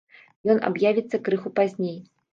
Ён аб'явіцца крыху пазней.